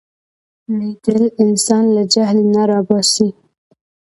لیدل انسان له جهل نه را باسي